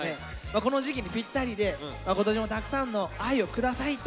この時期にぴったりで今年もたくさんの愛を下さいと。